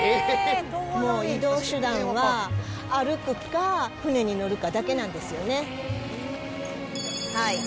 もう移動手段は、歩くか、船に乗るかだけなんですよね。